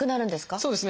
そうですね。